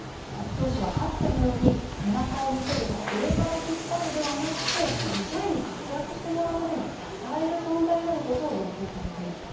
上司はかつてのように背中を見せるとか上から引っ張るではなくて社員に活躍してもらうために支える存在になることを要求されている。